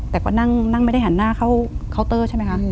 แต่ก็นั่งไม่ได้หันหน้าเข้าเคาน์เตอร์ใช่ไหมคะ